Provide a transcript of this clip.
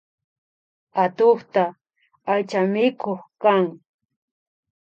Atukka aychamikuk kan